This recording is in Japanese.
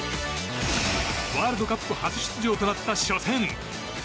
ワールドカップ初出場となった初戦。